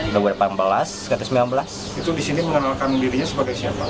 itu di sini mengenalkan dirinya sebagai siapa